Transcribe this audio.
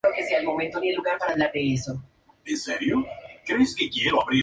Los críticos y los músicos aún reconocen su trabajo y estilo.